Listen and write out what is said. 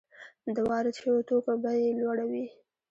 د وارد شویو توکو بیه یې لوړه وي